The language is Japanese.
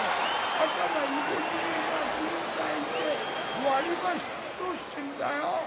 頭いぼじり巻きに巻いて割り箸通してんだよ？